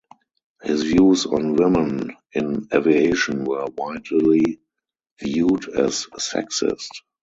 His views on women in aviation were widely viewed as sexist.